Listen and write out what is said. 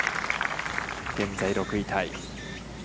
現在６位タイ。